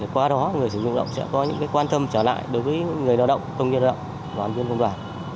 qua đó người sử dụng lao động sẽ có những quan tâm trở lại đối với người lao động công nhân lao động đoàn viên công đoàn